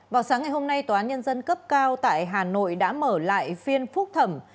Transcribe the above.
vào sáng ngày hôm nay tòa án nhân dân cấp cao tại hà nội đã mở lại phiên phúc thẩm